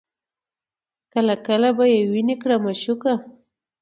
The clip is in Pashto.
کله کله به یې ویني کړه مشوکه